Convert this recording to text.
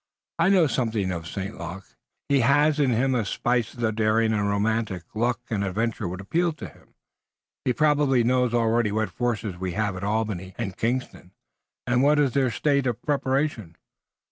I know something of St. Luc. He has in him a spice of the daring and romantic. Luck and adventure would appeal to him. He probably knows already what forces we have at Albany and Kingston and what is their state of preparation.